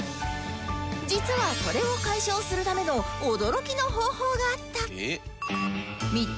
実はそれを解消するための驚きの方法があった